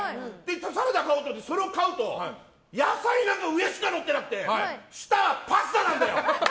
サラダを買おうと思ってそれを買うと野菜は上しかのってなくて下は、パスタなんだよ！